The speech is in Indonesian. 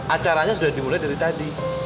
acaranya sudah dimulai dari tadi